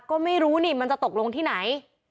ก็ไม่รู้นี่มันจะตกลงที่ไหน